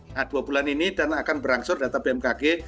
nah dua bulan ini dan akan berlangsung data pmkg